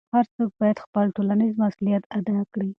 هر څوک باید خپل ټولنیز مسؤلیت ادا کړي.